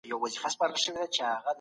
دا درې قلمان دي.